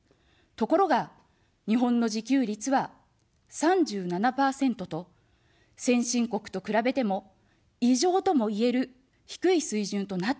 ところが、日本の自給率は３７％と、先進国と比べても、異常ともいえる低い水準となっています。